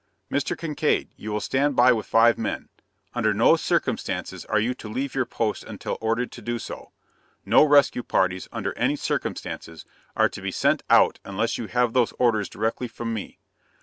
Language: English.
"Mr. Kincaide, you will stand by with five men. Under no circumstances are you to leave your post until ordered to do so. No rescue parties, under any circumstances, are to be sent out unless you have those orders directly from me.